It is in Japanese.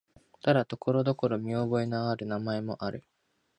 ただ、ところどころ見覚えのある名前もある。